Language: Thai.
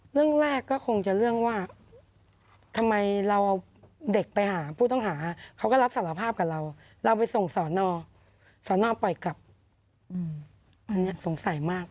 เรื่องแรกก็คงจะเรื่องว่าทำไมเราเอาเด็กไปหาผู้ต้องหาเขาก็รับสารภาพกับเราเราไปส่งสอนอสอนอปล่อยกลับอันนี้สงสัยมาก